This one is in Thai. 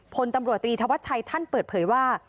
พลตำรวจตรีธวัชชัยท่านเปิดเผยว่า